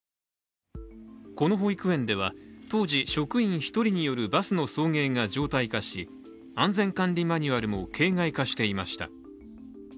この保育園では当時、職員１人によるバスの送迎が常態化し安全管理マニュアルも形骸化していました。